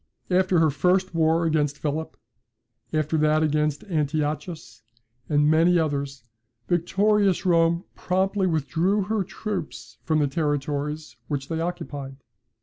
After her first war against Philip, after that against Antiochus, and many others, victorious Rome promptly withdrew her troops from the territories which they occupied.